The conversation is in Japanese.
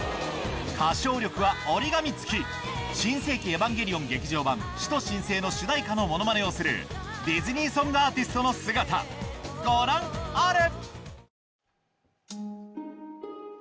歌唱力は折り紙付き『新世紀エヴァンゲリオン劇場版シト新生』の主題歌のものまねをするディズニーソングアーティストの姿ご覧あれ